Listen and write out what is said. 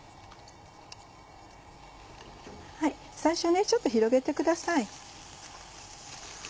最初ちょっと広げてください。